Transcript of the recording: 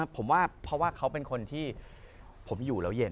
ผมว่าเพราะว่าเขาเป็นคนที่ผมอยู่แล้วเย็น